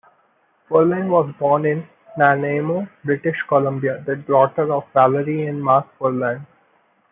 Ferland was born in Nanaimo, British Columbia, the daughter of Valerie and Marc Ferland.